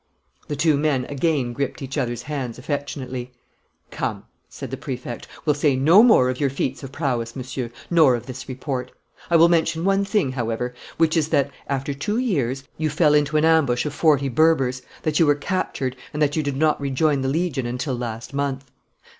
The two men again gripped each other's hands affectionately. "Come," said the Prefect, "we'll say no more of your feats of prowess, Monsieur, nor of this report. I will mention one thing, however, which is that, after two years, you fell into an ambush of forty Berbers, that you were captured, and that you did not rejoin the Legion until last month."